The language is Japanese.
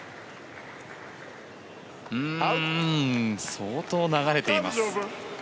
相当流れています。